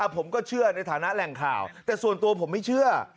ผมก็เชื่อในฐานะแหล่งข่าวแต่ส่วนตัวผมไม่เชื่อ